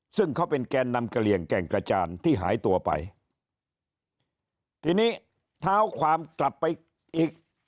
ซึ่งเขาเป็นแกนนำกระเหลี่ยงแก่งกระจานที่หายตัวไปทีนี้เท้าความกลับไปอีก